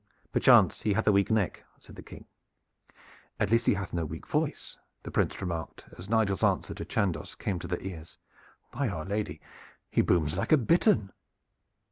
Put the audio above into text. "Perchance he hath a weak neck," said the King. "At least he hath no weak voice," the Prince remarked, as Nigel's answer to Chandos came to their ears. "By our lady, he booms like a bittern."